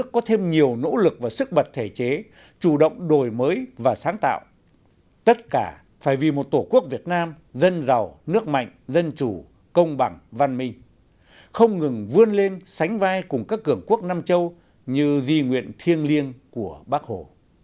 có thêm nhiều nỗ lực và sức bật thể chế chủ động đổi mới và sáng tạo phải vì một tổ quốc việt nam dân giàu nước mạnh dân chủ công bằng văn minh không ngừng vươn lên sánh vai cùng các cường quốc nam châu như di nguyện thiêng liêng của bác hồ